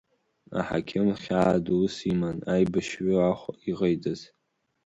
Аҳақьым хьаа дус иман, аибашьҩы-ахә иҟаиҵаз.